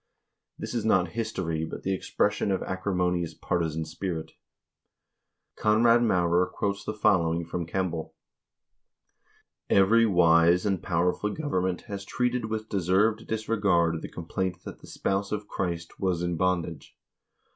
1 This is not history, but the expression of acrimonious partisan spirit. Konrad Maurer 2 quotes the following from Kem ble 3 :" Every wise and powerful government has treated with de served disregard the complaint that the ' Spouse of Christ ' was in bondage.